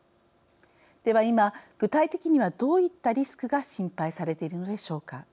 では今具体的にはどういったリスクが心配されているのでしょうか。